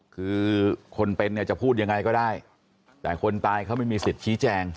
คือคนเป็นเนี่ยจะพูดยังไงก็ได้แต่คนตายเขาไม่มีสิทธิ์ชี้แจง